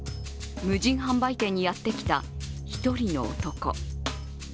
無人販売店にやってきた１人の男。